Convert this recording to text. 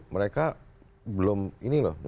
mereka belum ini loh